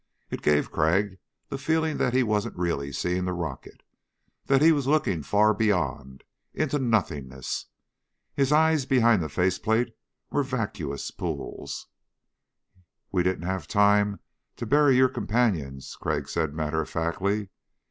It gave Crag the feeling that he wasn't really seeing the rocket that he was looking far beyond, into nothingness. His eyes behind the face plate were vacuous pools. "We didn't have time to bury your companions," Crag said matter of factly.